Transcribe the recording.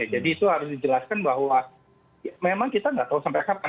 jadi itu harus dijelaskan bahwa memang kita nggak tahu sampai kapan